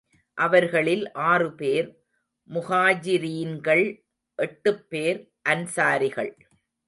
அவர்களில் ஆறு பேர் முஹாஜிரீன்கள், எட்டுப் பேர் அன்சாரிகள்.